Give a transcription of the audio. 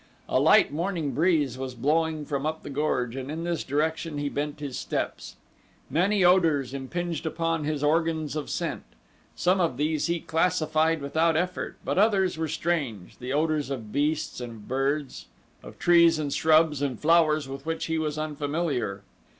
A light morning breeze was blowing from up the gorge and in this direction he bent his steps. Many odors impinged upon his organs of scent. Some of these he classified without effort, but others were strange the odors of beasts and of birds, of trees and shrubs and flowers with which he was unfamiliar.